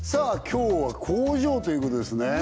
今日は工場ということですね